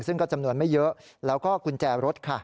ซึ่งก็จำนวนไม่เยอะแล้วก็กุญแจรถค่ะ